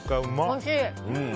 おいしい。